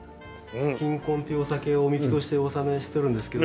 「金婚」というお酒を御神酒としてお納めしてるんですけど。